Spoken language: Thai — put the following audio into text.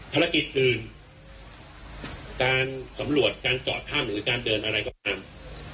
ภารกิจอื่นการสำรวจการเจาะถ้ำหรือการเดินอะไรก็ตาม